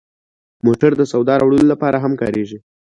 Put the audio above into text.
موټر د سودا راوړلو لپاره هم کارېږي.